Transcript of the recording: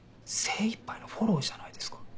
精いっぱいのフォローじゃないですか。